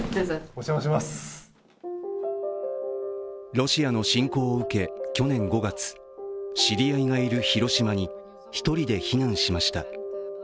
ロシアの侵攻を受け、去年５月、知り合いがいる広島に１人で避難しました。